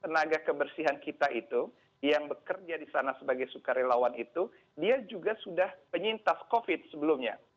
tenaga kebersihan kita itu yang bekerja di sana sebagai sukarelawan itu dia juga sudah penyintas covid sebelumnya